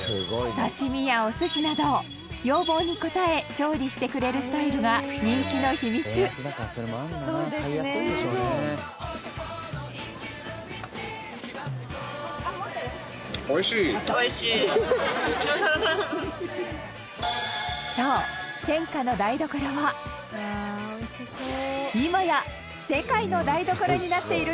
刺身や、お寿司など要望に応え、調理してくれるスタイルが人気の秘密そう、天下の台所は今や世界の台所になっているんです